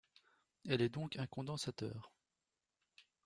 Elle est donc un condensateur.